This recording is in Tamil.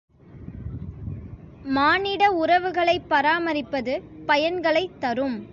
மானிட உறவுகளைப் பராமரிப்பது பயன்களைத் தரும்.